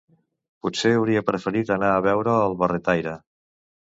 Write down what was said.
Potser hauria preferit anar a veure el barretaire!